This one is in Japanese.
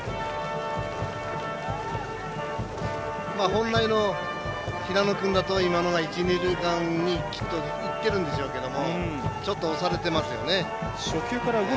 本来の平野君だと今のが一、二塁間にいってるんでしょうけどもちょっと押されてますよね。